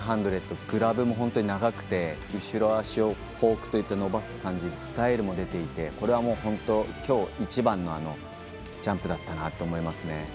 グラブも本当に長くて後ろ足をコークといって伸ばすスタイルも出ていて、これはきょう、一番のジャンプだったなと思いますね。